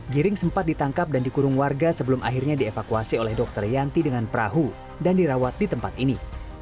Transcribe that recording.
giring sempat ditangkap dan dikurung warga sebelum akhirnya dievakuasi oleh dokter yanti dengan perahu dan dirawat di tempat ini